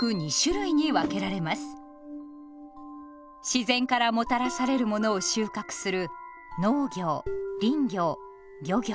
自然からもたらされるものを収穫する農業林業漁業。